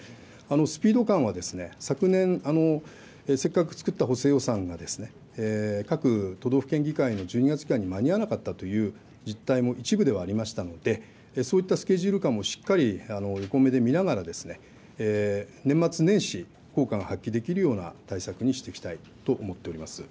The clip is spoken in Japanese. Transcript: スピード感は昨年、せっかく作った補正予算がですね、各都道府県議会のに間に合わなかったという実態も一部ではありましたので、そういったスケジュール感もしっかり横目で見ながら、年末年始、効果が発揮できるような対策にしていきたいと思っております。